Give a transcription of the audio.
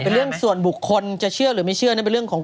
เป็นเรื่องส่วนบุคคลจะเชื่อหรือไม่เชื่อเป็นคุณ